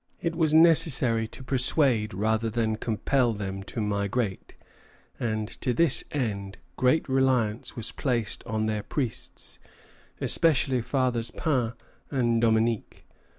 It was necessary to persuade rather than compel them to migrate, and to this end great reliance was placed on their priests, especially Fathers Pain and Dominique.